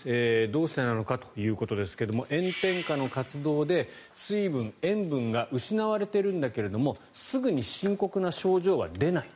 どうしてなのかということですが炎天下の活動で水分、塩分が失われているんだけどすぐに深刻な症状は出ない。